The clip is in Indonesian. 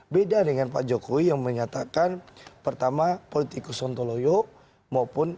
beda dengan pak jokowi yang menyatakan pertama politikus ontoloyo